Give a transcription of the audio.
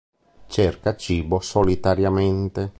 Cerca cibo solitariamente.